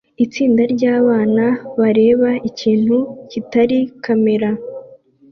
Itsinda ryabana bareba ikintu kitari kamera